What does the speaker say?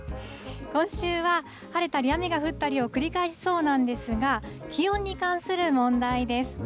今週は、晴れたり雨が降ったりを繰り返しそうなんですが、気温に関する問題です。